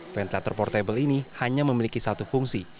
ventilator portable ini hanya memiliki satu fungsi